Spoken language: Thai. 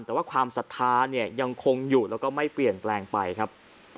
แต่ว่าความศรัทธาเนี่ยยังคงอยู่แล้วก็ไม่เปลี่ยนแปลงไปครับ